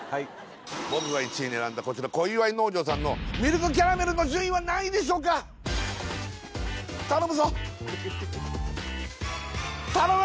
僕が１位に選んだこちら小岩井農場さんのミルクキャラメルの順位は何位でしょうか頼むぞ頼む